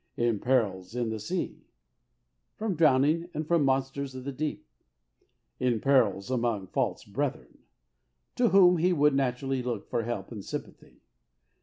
" In perils in the sea^^ — from drowning and from monsters of the deep. "In perils among false brethren'' — to whom he would naturally look for help and sympathy.